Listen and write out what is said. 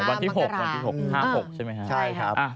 วันที่๖